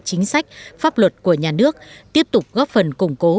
chính sách pháp luật của nhà nước tiếp tục góp phần củng cố